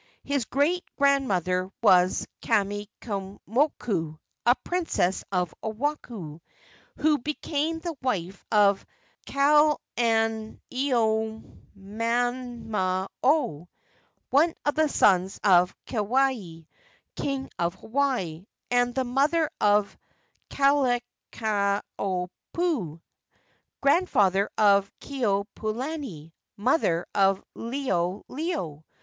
His great grandmother was Kamakaimoku, a princess of Oahu, who became the wife of Kalaninuiamamao, one of the sons of Keawe, king of Hawaii, and the mother of Kalaniopuu, grandfather of Keopuolani, mother of Liholiho.